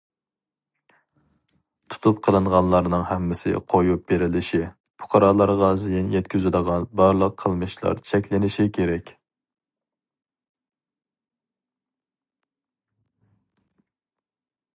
تۇتۇپ قىلىنغانلارنىڭ ھەممىسى قويۇپ بېرىلىشى، پۇقرالارغا زىيان يەتكۈزىدىغان بارلىق قىلمىشلار چەكلىنىشى كېرەك.